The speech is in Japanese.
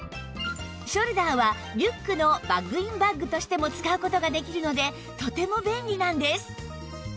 ショルダーはリュックのバッグインバッグとしても使う事ができるのでとても便利なんです